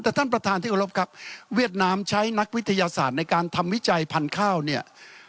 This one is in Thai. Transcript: แต่ท่านประธานที่กรบครับเวียดนามใช้นักวิทยาศาสตร์ในการทำวิจัยพันธุ์ข้าวเนี่ย